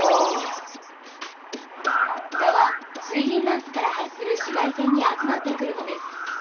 がは水銀ランプからはっするしがいせんにあつまってくるのです。